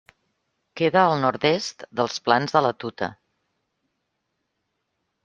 Queda al nord-est dels Plans de la Tuta.